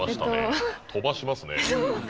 飛ばしますね。